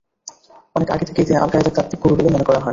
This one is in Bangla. অনেক আগে থেকেই তিনি আল-কায়েদার তাত্ত্বিক গুরু বলে মনে করা হয়।